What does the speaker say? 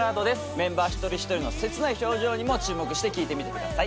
メンバー一人一人の切ない表情にも注目して聴いてみてください。